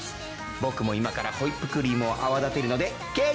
僕も今からホイップクリームを泡立てるので。